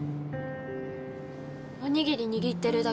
おにぎり握ってるだけです。